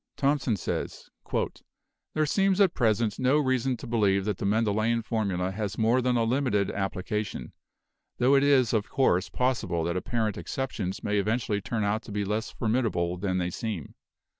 Thomson says : "There seems at present no reason to believe that the Mendelian formula has more than a limited application, tho it is of course possible that apparent exceptions may eventually turn out to be less formidable than they seem.